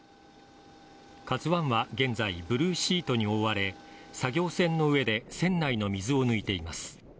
「ＫＡＺＵⅠ」は現在、ブルーシートに覆われ作業船の上で船内の水を抜いています。